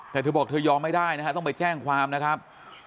แต่เธอบอกเธอยอมไม่ได้นะฮะต้องไปแจ้งความนะครับ